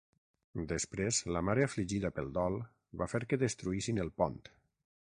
Després, la mare afligida pel dol va fer que destruïssin el pont.